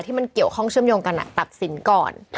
ที่มันเกี่ยวข้องเชื่อมโยงกันตัดสินก่อน